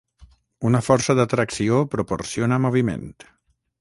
Una força d'atracció proporciona moviment.